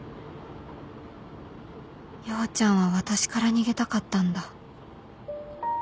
陽ちゃんは私から逃げたかったんだ